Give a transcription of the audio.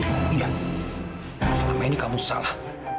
selama ini kamu salah